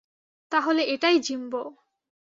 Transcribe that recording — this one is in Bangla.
তাহলে এটাই জিম্বো!